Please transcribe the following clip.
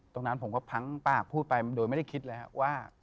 ตรงนั้นผมก็พังปากพูดไปโดยไม่ได้คิดเลยครับว่า